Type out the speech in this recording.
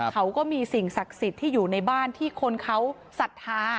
เขาก็มีสิ่งศักดิ์สิทธิ์ที่อยู่ในบ้านที่คนเขาศรัทธา